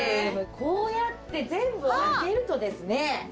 こうやって全部開けるとですね